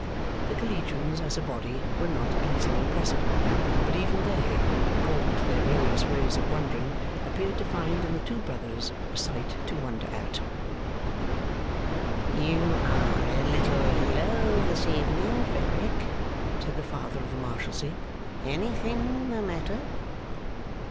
The Collegians as a body were not easily impressible, but even they, according to their various ways of wondering, appeared to find in the two brothers a sight to wonder at. 'You are a little low this evening, Frederick,' said the Father of the Marshalsea. 'Anything the matter?